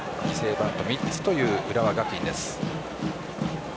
バント３つという浦和学院です。